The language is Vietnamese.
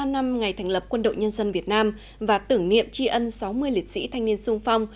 bảy mươi năm năm ngày thành lập quân đội nhân dân việt nam và tưởng niệm tri ân sáu mươi liệt sĩ thanh niên sung phong